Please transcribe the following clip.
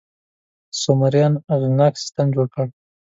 سومریان یو اغېزناک سیستم جوړ کړ.